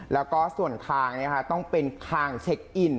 แล้วก็ส่วนทางต้องเป็นทางเช็คอิน